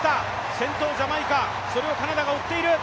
先頭、ジャマイカ、それをカナダが追っている。